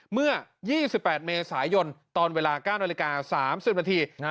เมื่อ๒๘เมษายนตอนเวลา๙นาฬิกา๓๐นาที